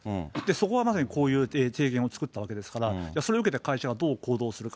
そこがまさにこういう提言を作ったわけですから、それを受けて会社がどう行動するか。